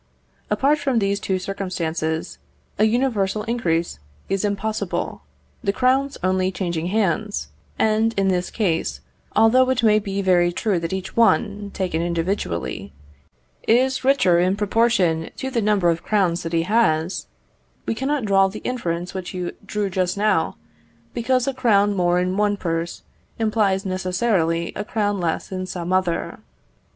Apart from these two circumstances, a universal increase is impossible, the crowns only changing hands; and in this case, although it may be very true that each one, taken individually, is richer in proportion to the number of crowns that he has, we cannot draw the inference which you drew just now, because a crown more in one purse implies necessarily a crown less in some other.